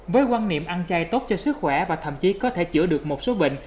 với quan niệm ăn chay tốt cho sức khỏe và thậm chí có thể chữa được một số bệnh